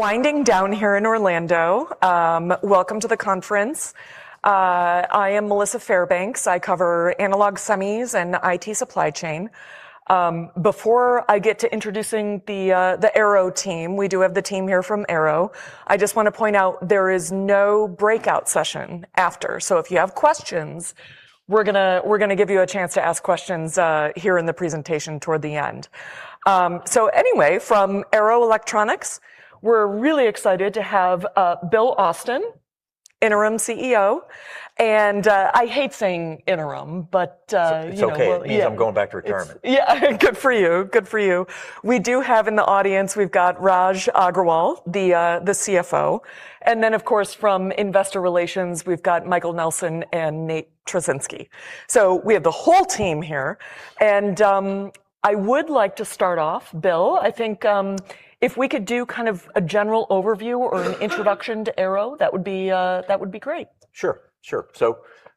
Winding down here in Orlando. Welcome to the conference. I am Melissa Fairbanks. I cover analog semis and IT supply chain. Before I get to introducing the Arrow team, we do have the team here from Arrow, I just wanna point out there is no breakout session after. If you have questions, we're gonna give you a chance to ask questions here in the presentation toward the end. Anyway, from Arrow Electronics, we're really excited to have Bill Austen, interim CEO, and I hate saying interim, but, you know. It's okay. It means I'm going back to retirement. Yeah. Good for you. Good for you. We do have in the audience, we've got Raj Agrawal, the CFO, and then of course from investor relations, we've got Michael Nelson and Nate Trozinski. We have the whole team here, and I would like to start off, Bill, I think, if we could do kind of a general overview or an introduction to Arrow, that would be great. Sure. Sure.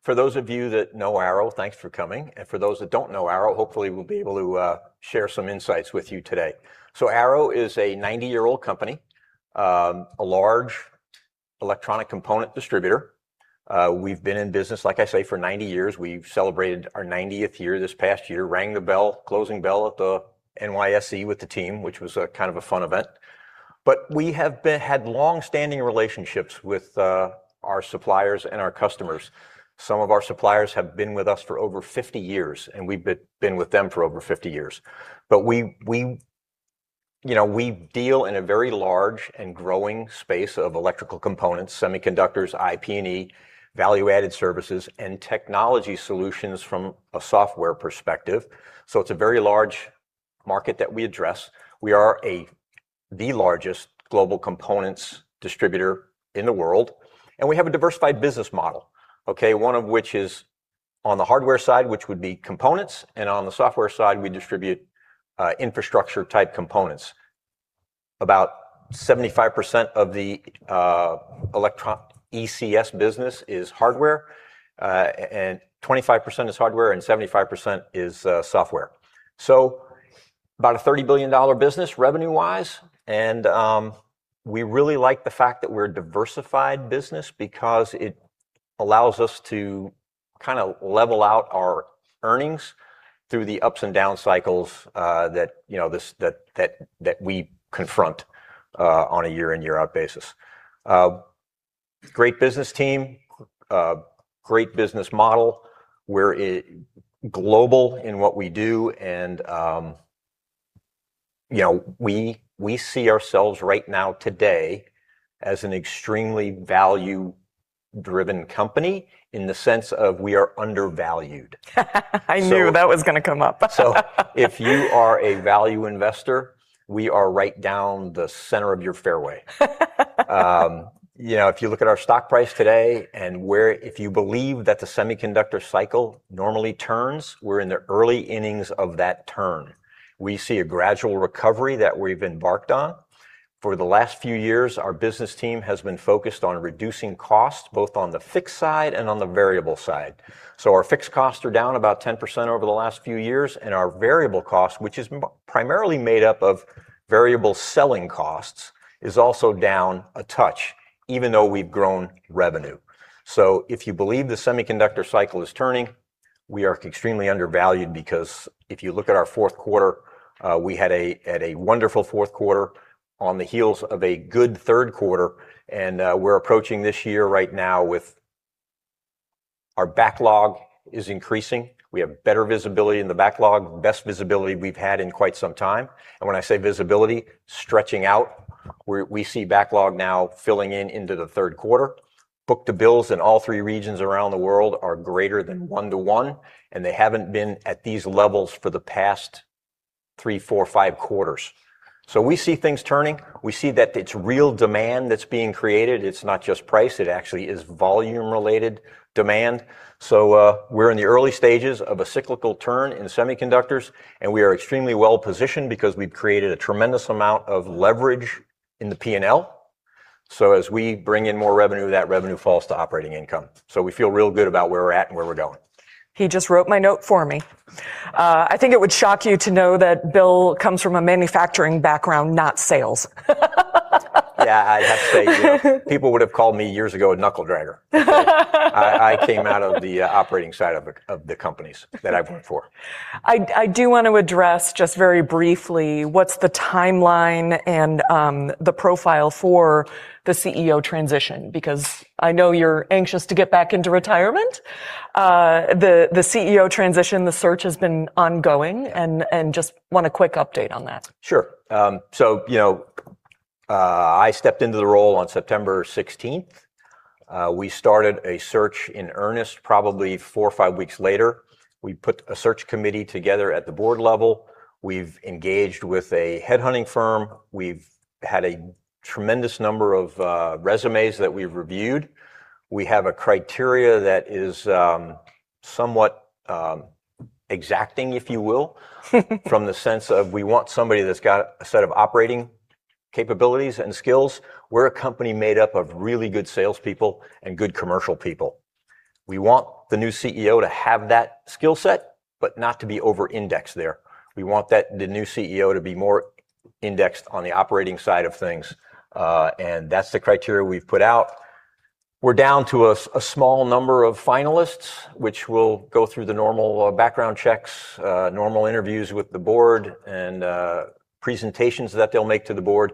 For those of you that know Arrow, thanks for coming, and for those that don't know Arrow, hopefully we'll be able to share some insights with you today. Arrow is a 90-year-old company. A large electronic component distributor. We've been in business, like I say, for 90 years. We've celebrated our 90th year this past year. Rang the bell, closing bell at the NYSE with the team, which was a kind of a fun event. We have had long-standing relationships with our suppliers and our customers. Some of our suppliers have been with us for over 50 years, and we've been with them for over 50 years. We, you know, we deal in a very large and growing space of electrical components, semiconductors, IP&E, value-added services, and technology solutions from a software perspective. It's a very large market that we address. We are the largest global components distributor in the world, and we have a diversified business model, okay? One of which is on the hardware side, which would be components, and on the software side, we distribute infrastructure-type components. About 75% of the ECS business is hardware, and 25% is hardware, and 75% is software. About a $30 billion business revenue-wise, and we really like the fact that we're a diversified business because it allows us to kinda level out our earnings through the ups and down cycles that, you know, this, that we confront on a year in, year out basis. Great business team. Great business model. We're global in what we do, and, you know, we see ourselves right now today as an extremely value-driven company in the sense of we are undervalued. I knew that was gonna come up. If you are a value investor, we are right down the center of your fairway. You know, if you look at our stock price today and if you believe that the semiconductor cycle normally turns, we're in the early innings of that turn. We see a gradual recovery that we've embarked on. For the last few years, our business team has been focused on reducing costs, both on the fixed side and on the variable side. Our fixed costs are down about 10% over the last few years, and our variable cost, which is primarily made up of variable selling costs, is also down a touch, even though we've grown revenue. If you believe the semiconductor cycle is turning, we are extremely undervalued because if you look at our fourth quarter, we had a wonderful fourth quarter on the heels of a good third quarter. We're approaching this year right now with our backlog is increasing. We have better visibility in the backlog, best visibility we've had in quite some time. When I say visibility, stretching out. We see backlog now filling in into the third quarter. Book-to-bills in all three regions around the world are greater than 1-to-1, and they haven't been at these levels for the past three, four, five quarters. We see things turning. We see that it's real demand that's being created. It's not just price. It actually is volume-related demand. We're in the early stages of a cyclical turn in semiconductors, and we are extremely well-positioned because we've created a tremendous amount of leverage in the P&L. As we bring in more revenue, that revenue falls to operating income. We feel real good about where we're at and where we're going. He just wrote my note for me. I think it would shock you to know that Bill comes from a manufacturing background, not sales. Yeah, I have to say, you know, people would have called me years ago a knuckle dragger. I came out of the operating side of the companies that I've worked for. I do want to address just very briefly what's the timeline and the profile for the CEO transition because I know you're anxious to get back into retirement. The CEO transition, the search has been ongoing and just want a quick update on that. Sure. You know, I stepped into the role on September 16th. We started a search in earnest probably four or five weeks later. We put a search committee together at the board level. We've engaged with a headhunting firm. We've had a tremendous number of, resumes that we've reviewed. We have a criteria that is, somewhat, exacting, if you will- from the sense of we want somebody that's got a set of operating capabilities and skills. We're a company made up of really good salespeople and good commercial people. We want the new CEO to have that skill set, but not to be over-indexed there. We want that, the new CEO to be more indexed on the operating side of things, that's the criteria we've put out. We're down to a small number of finalists, which will go through the normal background checks, normal interviews with the board, and presentations that they'll make to the board.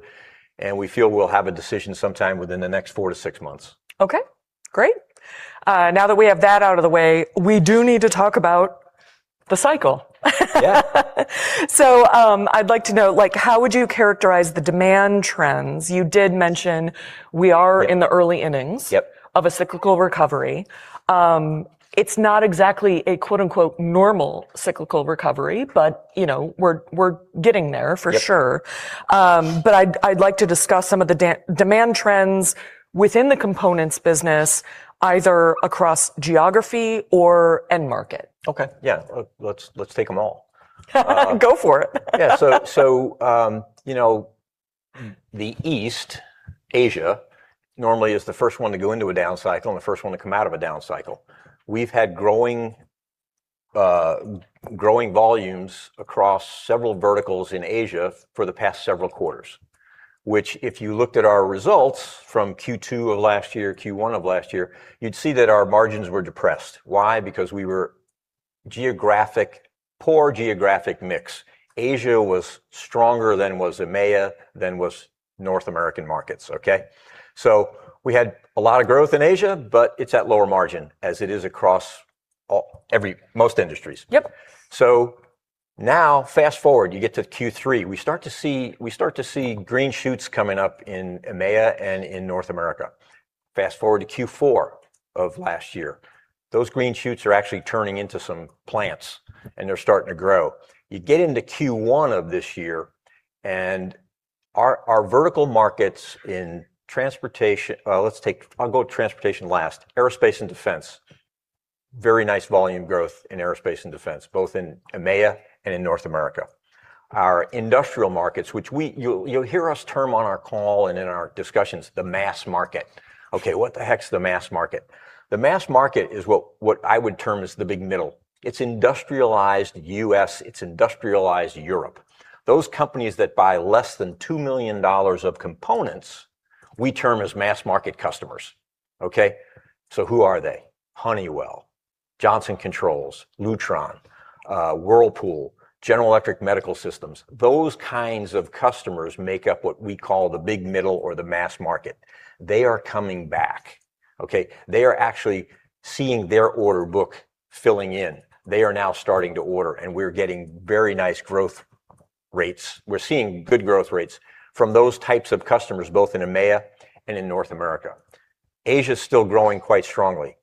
We feel we'll have a decision sometime within the next four to six months. Okay, great. now that we have that out of the way, we do need to talk about the cycle. Yeah. I'd like to know, like, how would you characterize the demand trends? You did mention. Yeah... in the early innings Yep... of a cyclical recovery. It's not exactly a quote unquote normal cyclical recovery, but, you know, we're getting there, for sure. Yep. I'd like to discuss some of the demand trends within the components business, either across geography or end market. Okay. Yeah. Let's take them all. Go for it. You know, East Asia normally is the first one to go into a down cycle and the first one to come out of a down cycle. We've had growing volumes across several verticals in Asia for the past several quarters, which if you looked at our results from Q2 of last year, Q1 of last year, you'd see that our margins were depressed. Why? Because we had poor geographic mix. Asia was stronger than was EMEA, than was North American markets. Okay? We had a lot of growth in Asia, but it's at lower margin, as it is across all, every, most industries. Yep. Now, fast-forward, you get to Q3. We start to see green shoots coming up in EMEA and in North America. Fast-forward to Q4 of last year, those green shoots are actually turning into some plants and they're starting to grow. Our vertical markets in transportation... let's take, I'll go with transportation last. Aerospace and defense, very nice volume growth in aerospace and defense, both in EMEA and in North America. Our industrial markets, which you'll hear us term on our call and in our discussions, the mass market. Okay, what the heck's the mass market? The mass market is what I would term as the big middle. It's industrialized U.S., it's industrialized Europe. Those companies that buy less than $2 million of components, we term as mass market customers. Okay? Who are they? Honeywell, Johnson Controls, Lutron, Whirlpool, General Electric Medical Systems. Those kinds of customers make up what we call the big middle or the mass market. They are coming back. Okay? They are actually seeing their order book filling in. They are now starting to order, and we're getting very nice growth rates. We're seeing good growth rates from those types of customers, both in EMEA and in North America. Asia's still growing quite strongly.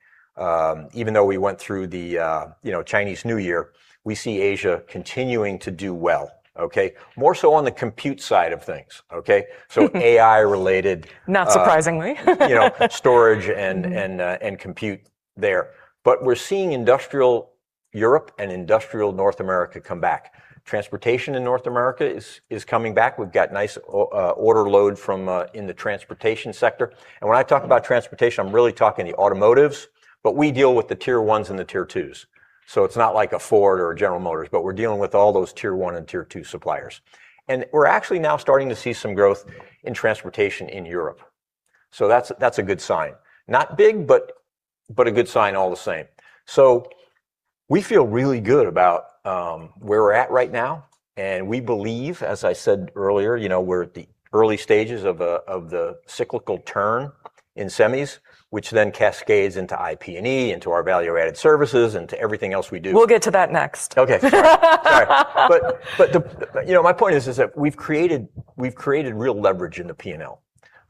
Even though we went through the, you know, Chinese New Year, we see Asia continuing to do well. Okay? More so on the compute side of things. Okay? AI related. Not surprisingly.... you know, storage. Mm-hmm... and compute there. We're seeing industrial Europe and industrial North America come back. Transportation in North America is coming back. We've got nice order load from in the transportation sector. When I talk about transportation, I'm really talking the automotives, but we deal with the tier ones and the tier twos. It's not like a Ford or a General Motors, but we're dealing with all those tier one and tier two suppliers. We're actually now starting to see some growth in transportation in Europe. That's, that's a good sign. Not big, but a good sign all the same. We feel really good about where we're at right now, and we believe, as I said earlier, you know, we're at the early stages of the cyclical turn in semis, which then cascades into IP&E and to our value-added services and to everything else we do. We'll get to that next. Okay. Sorry. The, you know, my point is that we've created real leverage in the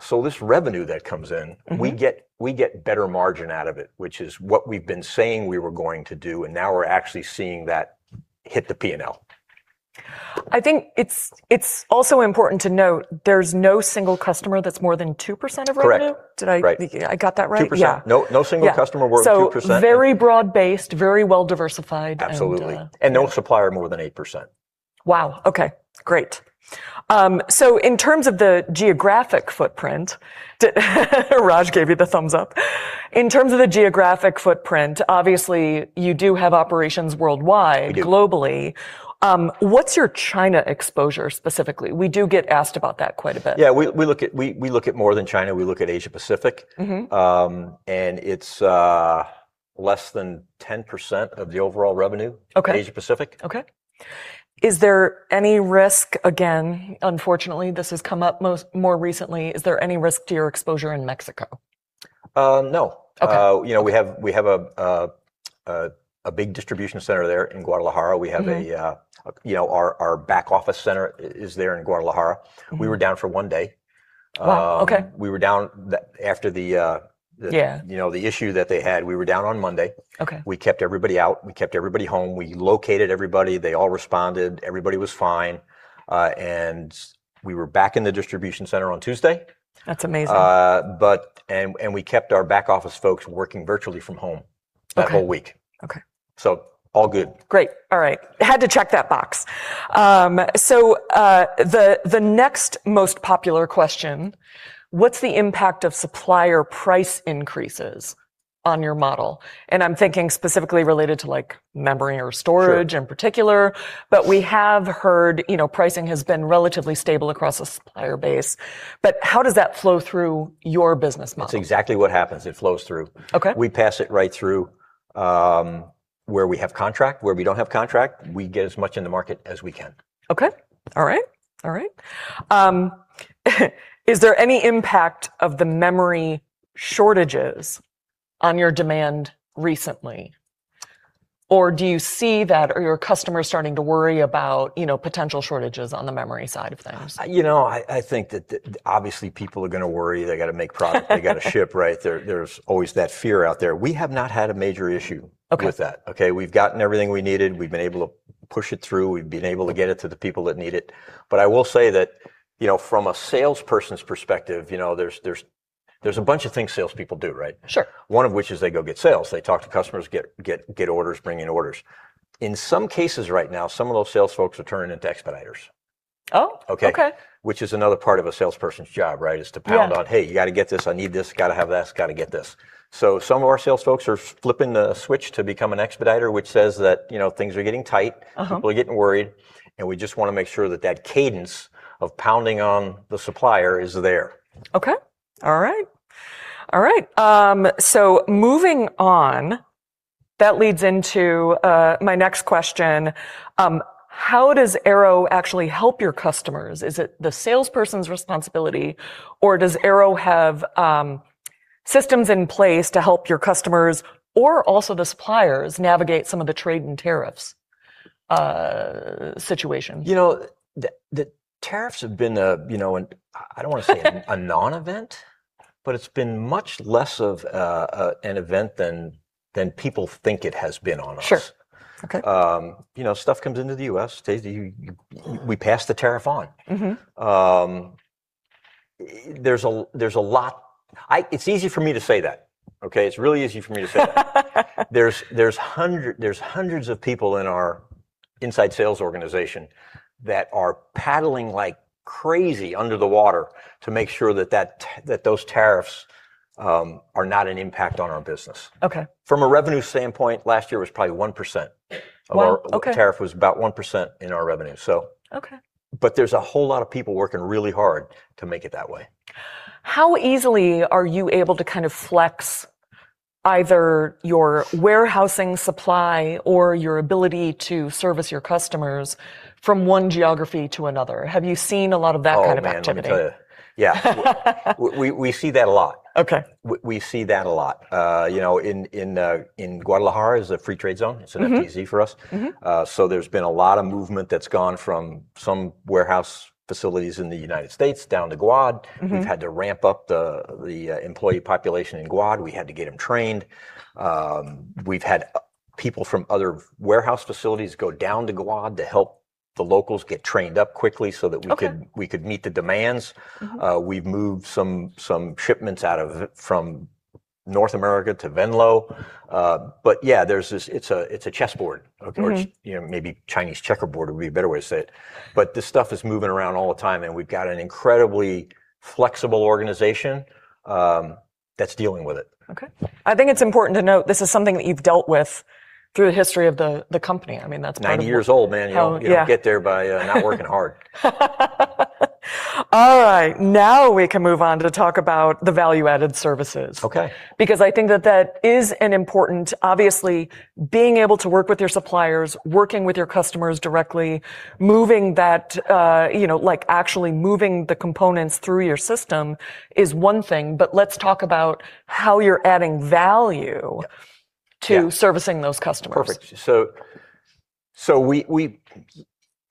P&L. This revenue that comes in. Mm-hmm... we get better margin out of it, which is what we've been saying we were going to do, and now we're actually seeing that hit the P&L. I think it's also important to note there's no single customer that's more than 2% of revenue. Correct. Did I- Right think I got that right? 2%. Yeah. No single customer. Yeah... more than 2%. very broad-based, very well diversified, and. Absolutely. No supplier more than 8%. Wow, okay. Great. In terms of the geographic footprint, Raj gave you the thumbs up. In terms of the geographic footprint, obviously you do have operations worldwide. We do. globally. What's your China exposure specifically? We do get asked about that quite a bit. Yeah, we look at more than China. We look at Asia-Pacific. Mm-hmm. It's less than 10% of the overall revenue. Okay... Asia-Pacific. Okay. Is there any risk, again, unfortunately this has come up most, more recently, is there any risk to your exposure in Mexico? No. Okay. You know, we have a big distribution center there in Guadalajara. Mm-hmm. We have a, you know, our back office center is there in Guadalajara. Mm-hmm. We were down for one day. Wow, okay. we were down after the, Yeah ... the, you know, the issue that they had, we were down on Monday. Okay. We kept everybody out. We kept everybody home. We located everybody. They all responded. Everybody was fine. We were back in the distribution center on Tuesday. That's amazing. We kept our back office folks working virtually from home. Okay... that whole week. Okay. All good. Great. All right. Had to check that box. The next most popular question, what's the impact of supplier price increases on your model? I'm thinking specifically related to like memory or storage... Sure... in particular, we have heard, you know, pricing has been relatively stable across the supplier base, but how does that flow through your business model? That's exactly what happens. It flows through. Okay. We pass it right through, where we have contract. Where we don't have contract, we get as much in the market as we can. Okay. All right. All right. Is there any impact of the memory shortages on your demand recently? Do you see that or your customers starting to worry about, you know, potential shortages on the memory side of things? You know, I think that obviously people are gonna worry. They gotta ship, right? There's always that fear out there. We have not had a major issue- Okay with that. Okay. We've gotten everything we needed. We've been able to push it through. We've been able to get it to the people that need it. I will say that, you know, from a salesperson's perspective, you know, there's a bunch of things salespeople do, right? Sure. One of which is they go get sales. They talk to customers, get orders, bring in orders. In some cases right now, some of those sales folks are turning into expediters. Oh, okay. Okay? Which is another part of a salesperson's job, right? Is to pound on... Yeah... "Hey, you gotta get this. I need this, gotta have this, gotta get this." Some of our sales folks are flipping the switch to become an expediter, which says that, you know, things are getting tight. Uh-huh. People are getting worried, and we just wanna make sure that cadence of pounding on the supplier is there. Okay. All right. All right. Moving on, that leads into my next question. How does Arrow actually help your customers? Is it the salesperson's responsibility, or does Arrow have systems in place to help your customers or also the suppliers navigate some of the trade and tariffs situations? You know, the tariffs have been a, you know, I don't wanna say a non-event, but it's been much less of an event than people think it has been on us. Sure. Okay. You know, stuff comes into the U.S., stays, you, we pass the tariff on. Mm-hmm. There's a lot. It's easy for me to say that. Okay. It's really easy for me to say that. There's hundreds of people in our inside sales organization that are paddling like crazy under the water to make sure that those tariffs are not an impact on our business. Okay. From a revenue standpoint, last year was probably 1% of our- 1. Okay tariff was about 1% in our revenue, so. Okay. There's a whole lot of people working really hard to make it that way. How easily are you able to kind of flex either your warehousing supply or your ability to service your customers from one geography to another? Have you seen a lot of that kind of activity? Oh, man, let me tell you. Yeah. We see that a lot. Okay. We see that a lot. you know, in Guadalajara is a free trade zone. Mm-hmm. It's an FTZ for us. Mm-hmm. There's been a lot of movement that's gone from some warehouse facilities in the United States down to Guad. Mm-hmm. We've had to ramp up the employee population in Guadalajara. We had to get them trained. We've had people from other warehouse facilities go down to Guadalajara to help the locals get trained up quickly so that we could. Okay... we could meet the demands. Mm-hmm. We've moved some shipments out of, from North America to Venlo. Yeah, there's this, it's a chessboard... Mm-hmm... or, you know, maybe Chinese checkerboard would be a better way to say it, but this stuff is moving around all the time, and we've got an incredibly flexible organization, that's dealing with it. Okay. I think it's important to note this is something that you've dealt with through the history of the company. I mean, that's kind of. 90 years old, man. how, yeah You don't get there by not working hard. All right. Now we can move on to talk about the value-added services. Okay. I think that that is an important, obviously being able to work with your suppliers, working with your customers directly, moving that, you know, like actually moving the components through your system is one thing, but let's talk about how you're adding value. Yeah. Yeah.... to servicing those customers. Perfect.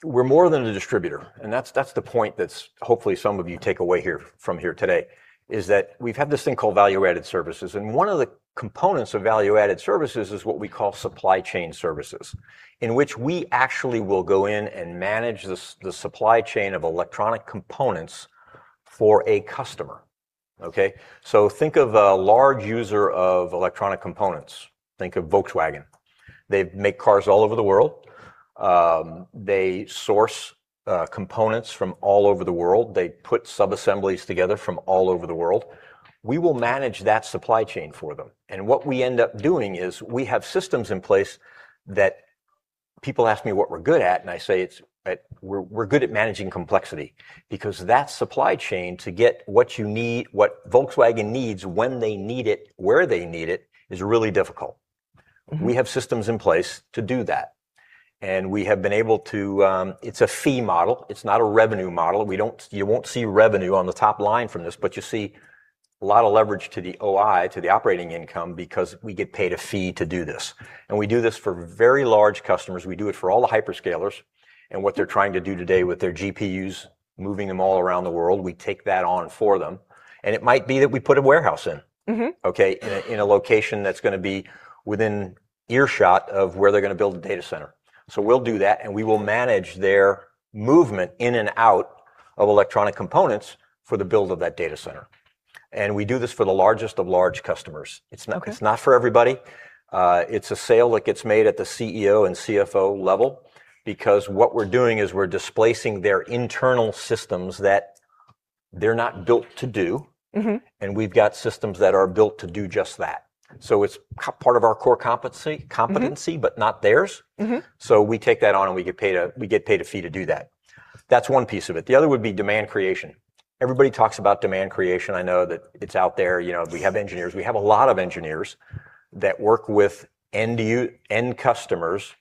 We're more than a distributor, and that's the point that's hopefully some of you take away here, from here today is that we've had this thing called value-added services, and one of the components of value-added services is what we call supply chain services, in which we actually will go in and manage the supply chain of electronic components for a customer. Okay? Think of a large user of electronic components. Think of Volkswagen. They make cars all over the world. They source components from all over the world. They put sub-assemblies together from all over the world. We will manage that supply chain for them, and what we end up doing is we have systems in place that people ask me what we're good at, and I say it's, we're good at managing complexity because that supply chain to get what you need, what Volkswagen needs, when they need it, where they need it, is really difficult. Mm-hmm. We have systems in place to do that, we have been able to, it's a fee model. It's not a revenue model. You won't see revenue on the top line from this, but you see a lot of leverage to the OI, to the operating income, because we get paid a fee to do this. We do this for very large customers. We do it for all the hyperscalers and what they're trying to do today with their GPUs, moving them all around the world. We take that on for them, and it might be that we put a warehouse in. Mm-hmm. Okay? In a location that's gonna be within earshot of where they're gonna build a data center. We'll do that, and we will manage their movement in and out of electronic components for the build of that data center. And we do this for the largest of large customers. Okay. It's not for everybody. It's a sale that gets made at the CEO and CFO level because what we're doing is we're displacing their internal systems that they're not built to do. Mm-hmm. We've got systems that are built to do just that. It's part of our core competency. Mm-hmm Not theirs. Mm-hmm. We take that on and we get paid a fee to do that. That's one piece of it. The other would be demand creation. Everybody talks about demand creation. I know that it's out there. You know, we have engineers. We have a lot of engineers that work with end customers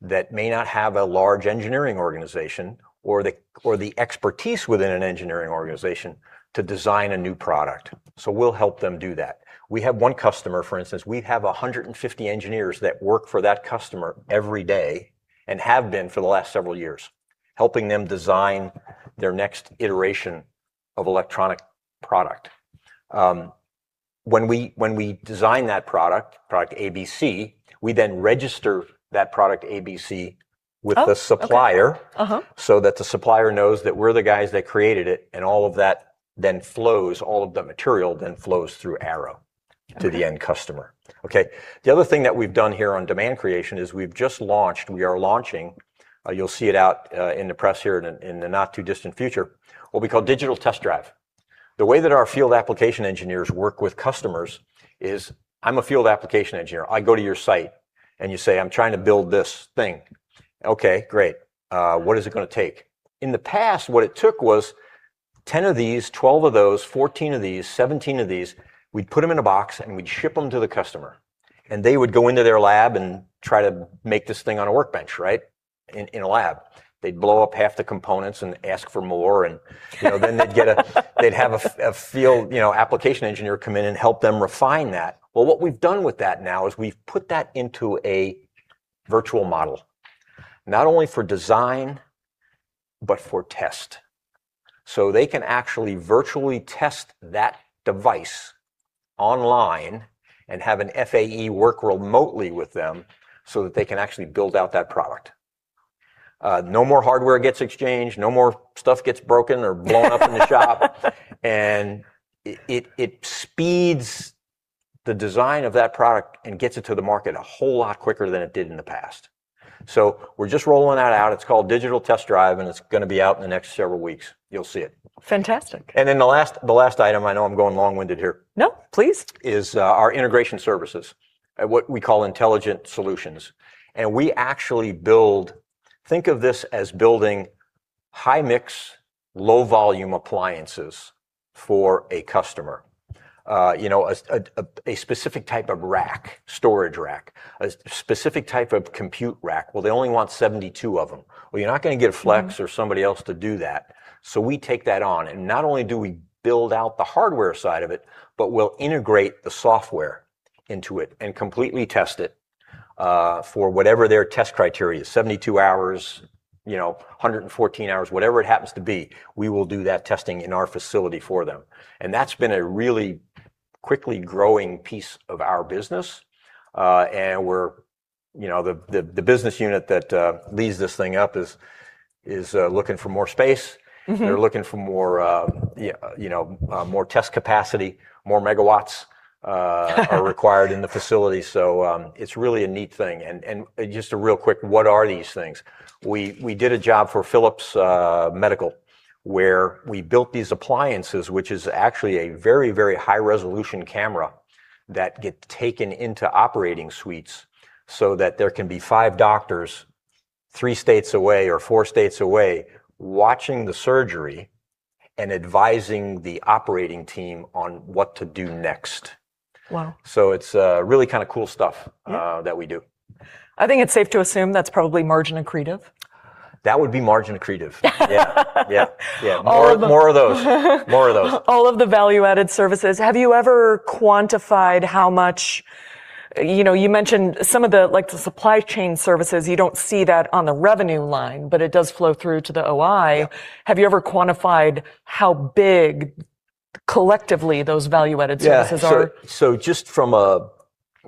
that may not have a large engineering organization or the expertise within an engineering organization to design a new product. We'll help them do that. We have one customer, for instance, we have 150 engineers that work for that customer every day and have been for the last several years, helping them design their next iteration of electronic product. When we design that product ABC, we then register that product ABC. Oh, okay.... with the supplier. Uh-huh... so that the supplier knows that we're the guys that created it, and all of that then flows, all of the material then flows through Arrow- Okay... to the end customer. Okay. The other thing that we've done here on demand creation is we've just launched, we are launching, you'll see it out in the press here in the not-too-distant future, what we call Digital Test Drive. The way that our field application engineers work with customers is, I'm a field application engineer. I go to your site and you say, "I'm trying to build this thing." Okay, great. What is it gonna take? In the past, what it took was 10 of these, 12 of those, 14 of these, 17 of these, we'd put them in a box and we'd ship them to the customer, and they would go into their lab and try to make this thing on a workbench, right, in a lab. They'd blow up half the components and ask for more and you know, then they'd get a, they'd have a field, you know, application engineer come in and help them refine that. Well, what we've done with that now is we've put that into a virtual model, not only for design but for test. So they can actually virtually test that device online and have an FAE work remotely with them so that they can actually build out that product. No more hardware gets exchanged, no more stuff gets broken or blown up in the shop. It speeds the design of that product and gets it to the market a whole lot quicker than it did in the past. We're just rolling that out. It's called Digital Test Drive, and it's gonna be out in the next several weeks. You'll see it. Fantastic. Then the last item, I know I'm going long-winded here. No, please.... is our integration services, what we call Intelligent Solutions, and we actually build. Think of this as building high-mix, low-volume appliances for a customer. you know, a specific type of rack, storage rack, a specific type of compute rack. Well, they only want 72 of them. Well, you're not gonna get Flex- Mm-hmm... or somebody else to do that, so we take that on. Not only do we build out the hardware side of it, but we'll integrate the software into it and completely test it for whatever their test criteria is, 72 hours, you know, 114 hours, whatever it happens to be, we will do that testing in our facility for them. That's been a really quickly growing piece of our business. We're, you know, the, the business unit that leads this thing up is looking for more space. Mm-hmm. They're looking for more, yeah, you know, more test capacity, more megawatts are required in the facility. It's really a neat thing. Just a real quick what are these things, we did a job for Philips Medical, where we built these appliances, which is actually a very high-resolution camera that get taken into operating suites so that there can be five doctors three states away or four states away watching the surgery and advising the operating team on what to do next. Wow. It's really kind of cool stuff. Yeah... that we do. I think it's safe to assume that's probably margin accretive. That would be margin accretive. Yeah. Yeah. Yeah. All of the- More of those. More of those. All of the value-added services. Have you ever quantified how much... You know, you mentioned some of the, like, the supply chain services, you don't see that on the revenue line, but it does flow through to the OI. Yeah. Have you ever quantified how big collectively those value-added services are? Yeah. Just from a,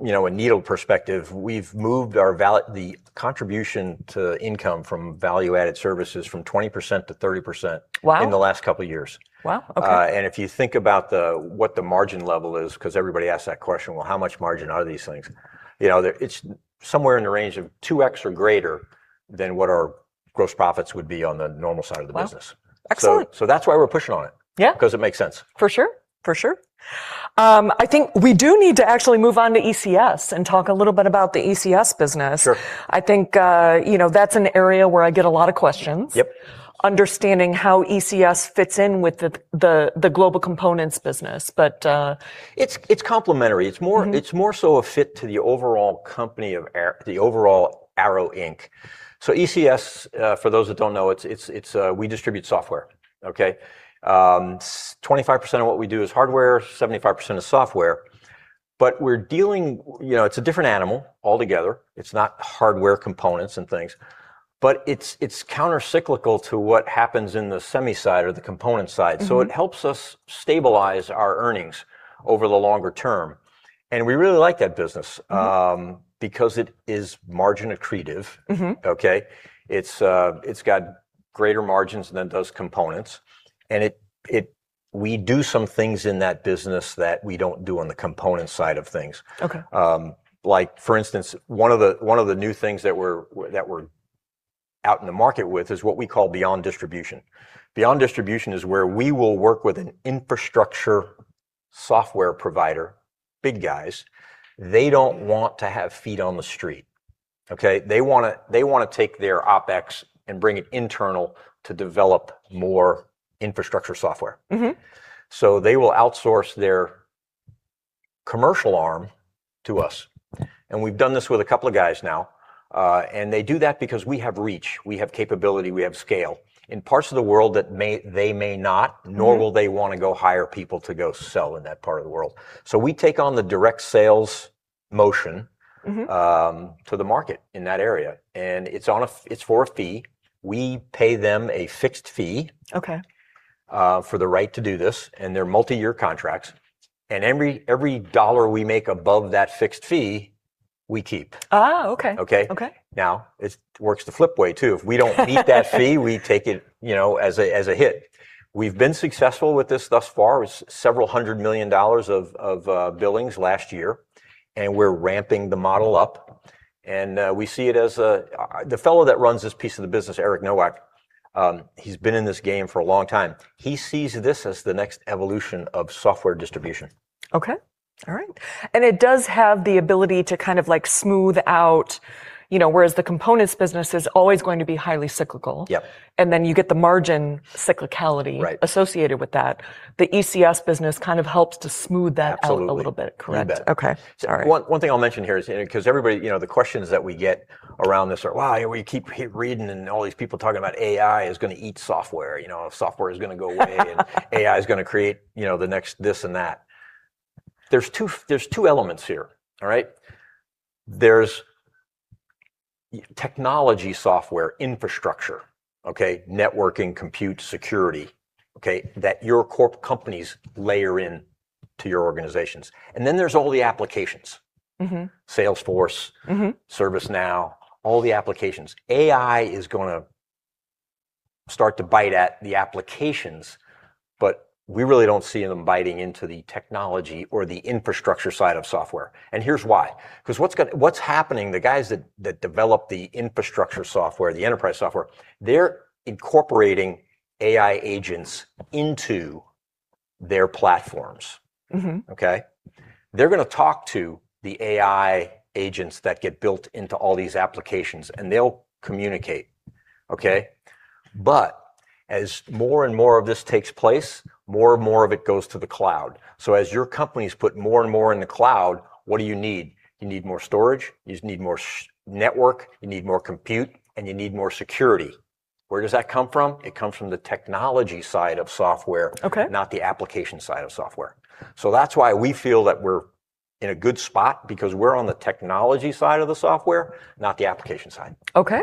you know, a needle perspective, we've moved our the contribution to income from value-added services from 20% to 30%. Wow in the last couple years. Wow, okay. If you think about what the margin level is, 'cause everybody asks that question, "Well, how much margin are these things?" You know, it's somewhere in the range of 2x or greater than what our gross profits would be on the normal side of the business. Wow. Excellent. That's why we're pushing on it. Yeah 'cause it makes sense. For sure. For sure. I think we do need to actually move on to ECS and talk a little bit about the ECS business. Sure. I think, you know, that's an area where I get a lot of questions. Yep. Understanding how ECS fits in with the global components business. It's complementary. Mm-hmm... it's more so a fit to the overall company of the overall Arrow Inc. ECS, for those that don't know, it's, we distribute software. Okay? 25% of what we do is hardware, 75% is software, but we're dealing... You know, it's a different animal altogether. It's not hardware components and things. It's, it's countercyclical to what happens in the semi side or the component side. Mm-hmm. It helps us stabilize our earnings over the longer term. We really like that business. Mm-hmm... because it is margin accretive. Mm-hmm. Okay? It's got greater margins than those components. We do some things in that business that we don't do on the component side of things. Okay. Like for instance, one of the, one of the new things that we're out in the market with is what we call Beyond Distribution. Beyond Distribution is where we will work with an infrastructure software provider, big guys, they don't want to have feet on the street. Okay? They wanna take their OpEx and bring it internal to develop more infrastructure software. Mm-hmm. They will outsource their commercial arm to us, and we've done this with a couple of guys now. They do that because we have reach, we have capability, we have scale in parts of the world that they may not- Mm-hmm... nor will they wanna go hire people to go sell in that part of the world. We take on the direct sales motion. Mm-hmm... to the market in that area, and it's on a it's for a fee. We pay them a fixed fee. Okay... for the right to do this, and they're multi-year contracts. Every dollar we make above that fixed fee, we keep. Oh, okay. Okay? Okay. Now, it works the flip way, too. If we don't meet that fee, we take it, you know, as a hit. We've been successful with this thus far, with several hundred million dollars of billings last year, and we're ramping the model up. We see it as a. The fellow that runs this piece of the business, Eric Nowak, he's been in this game for a long time. He sees this as the next evolution of software distribution. Okay. All right. It does have the ability to kind of like smooth out. You know, whereas the components business is always going to be highly cyclical. Yep. You get the margin cyclicality... Right... associated with that. The ECS business kind of helps to smooth that out. Absolutely a little bit. You bet. Correct. Okay. Sorry. One thing I'll mention here is, and 'cause everybody, you know, the questions that we get around this are, "Wow, we keep hearing reading and all these people talking about AI is gonna eat software, you know. Software is gonna go away. And AI is gonna create, you know, the next this and that." There's two elements here. All right? There's technology software infrastructure, okay, networking, compute, security, okay, that your companies layer in to your organizations. Then there's all the applications. Mm-hmm. Salesforce- Mm-hmm... ServiceNow, all the applications. AI is gonna start to bite at the applications, but we really don't see them biting into the technology or the infrastructure side of software. Here's why. 'Cause what's happening, the guys that develop the infrastructure software, the enterprise software, they're incorporating AI agents into their platforms. Mm-hmm. Okay? They're gonna talk to the AI agents that get built into all these applications, and they'll communicate. Okay? As more and more of this takes place, more and more of it goes to the cloud. As your companies put more and more in the cloud, what do you need? Yous need more network, you need more compute, and you need more security. Where does that come from? It comes from the technology side of software- Okay... not the application side of software. That's why we feel that we're in a good spot because we're on the technology side of the software, not the application side. Okay.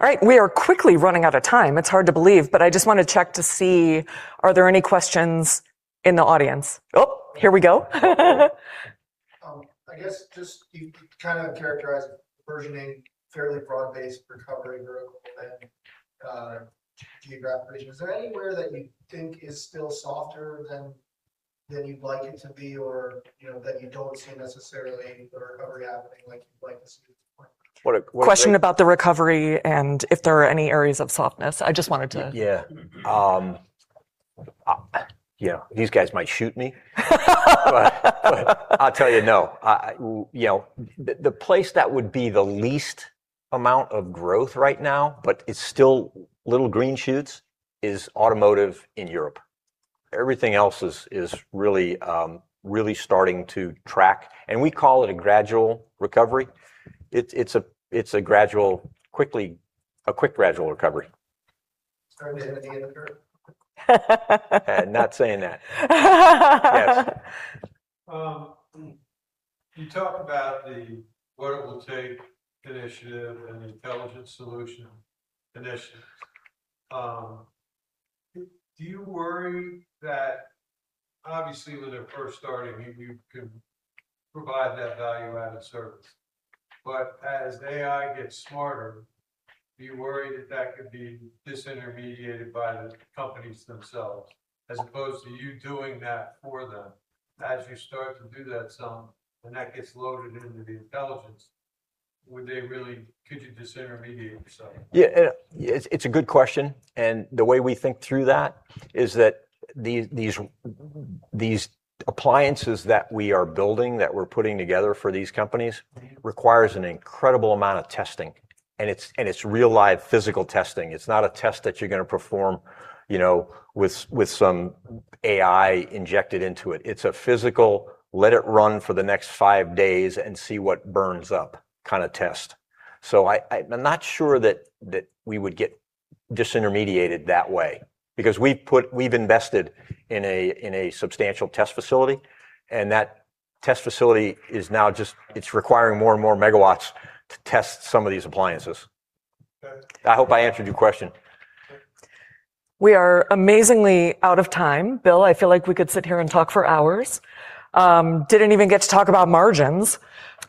All right. We are quickly running out of time. It's hard to believe, but I just wanna check to see, are there any questions in the audience? Oh, here we go. Oh. I guess just you kinda characterized versioning, fairly broad-based recovery vertical and, geographic region. Is there anywhere that you think is still softer than you'd like it to be or, you know, that you don't see necessarily the recovery happening like you'd like to see at this point? What a great- Question about the recovery and if there are any areas of softness. Yeah. you know, these guys might shoot me. I'll tell you, no. I, you know, the place that would be the least amount of growth right now, but it's still little green shoots, is automotive in Europe. Everything else is really, really starting to track, and we call it a gradual recovery. It's a gradual, a quick gradual recovery. Starting to hit the end of the curve? Not saying that. Yes. You talk about the What It Will Take initiative and the Intelligent Solutions initiatives. Do you worry that, obviously, when they're first starting, you can provide that value-added service, but as AI gets smarter, are you worried that that could be disintermediated by the companies themselves, as opposed to you doing that for them? As you start to do that some, and that gets loaded into the intelligence, would they really, could you disintermediate yourself? Yeah. It's a good question. The way we think through that is that these appliances that we are building, that we're putting together for these companies, requires an incredible amount of testing, and it's real, live, physical testing. It's not a test that you're gonna perform, you know, with some AI injected into it. It's a physical, let it run for the next five days and see what burns up, kinda test. I'm not sure that we would get disintermediated that way because we've invested in a substantial test facility. That test facility is now just, it's requiring more and more megawatts to test some of these appliances. Okay. I hope I answered your question. Sure. We are amazingly out of time. Bill, I feel like we could sit here and talk for hours. Didn't even get to talk about margins.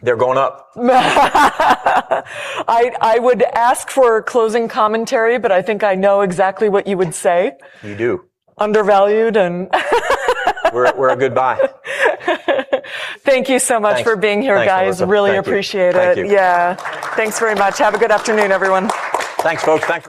They're going up. I would ask for closing commentary, but I think I know exactly what you would say. You do. Undervalued and... We're a good buy. Thank you so much. Thanks for being here, guys. Thanks, Melissa. Thank you. Really appreciate it. Thank you. Yeah. Thanks very much. Have a good afternoon, everyone. Thanks, folks. Thank you.